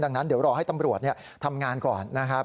ดังนั้นเดี๋ยวรอให้ตำรวจทำงานก่อนนะครับ